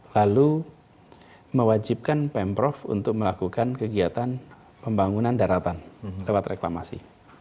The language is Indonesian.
lalu mewajibkan pemprov untuk melakukan kegiatan pembangunan daratan lewat reklamasi